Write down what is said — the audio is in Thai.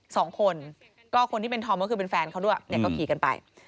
สองคนก็คนที่เป็นธอมก็คือเป็นแฟนเขาด้วยเนี่ยก็ขี่กันไป